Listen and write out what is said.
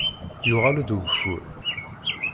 Yuɣal-d ugeffur.